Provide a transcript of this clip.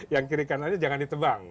yang kirikan aja jangan ditebang